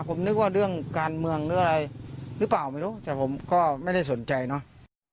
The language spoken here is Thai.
ผมนึกว่าเรื่องการเมืองหรืออะไรหรือเปล่าไม่รู้แต่ผมก็ไม่ได้สนใจเนาะ